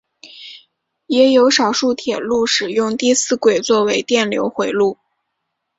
也有少数铁路使用第四轨作为电流回路。